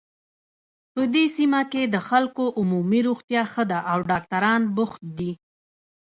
په دې سیمه کې د خلکو عمومي روغتیا ښه ده او ډاکټران بوخت دي